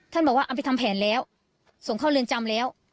บอกว่าเอาไปทำแผนแล้วส่งเข้าเรือนจำแล้ว